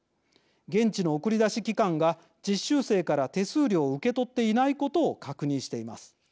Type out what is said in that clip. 現地の送り出し機関が実習生から手数料を受け取っていないことを確認しています。